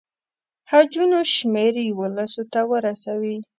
حجونو شمېر یوولسو ته ورسوي.